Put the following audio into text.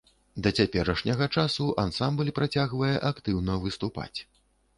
Да цяперашняга часу ансамбль працягвае актыўна выступаць.